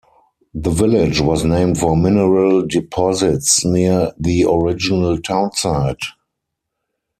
The village was named for mineral deposits near the original town site.